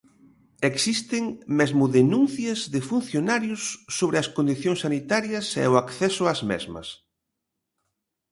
Existen mesmo denuncias de funcionarios sobre as condicións sanitarias e o acceso ás mesmas.